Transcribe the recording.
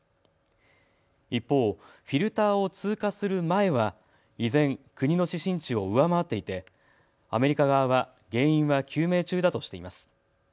一方、フィルターを通過する前は依然、国の指針値を上回っていてアメリカ側は原因は究明中だとしています。